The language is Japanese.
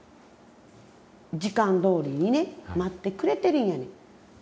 時間どおりにね待ってくれてるんやねん。